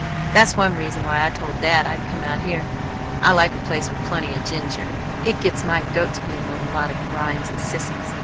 That's one reason why I told dad I'd come out here. I like a place with plenty of ginger. It gets my goat to be among a lot of grinds and sissies!